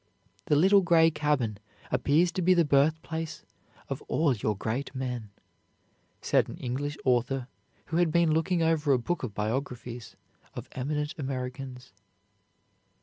"The little gray cabin appears to be the birthplace of all your great men," said an English author who had been looking over a book of biographies of eminent Americans.